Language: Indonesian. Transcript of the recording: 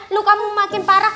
lukamu makin parah